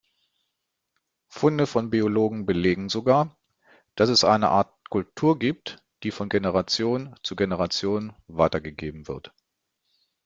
Funde von Biologen belegen sogar, dass es eine Art Kultur gibt, die von Generation zu Generation weitergegeben wird.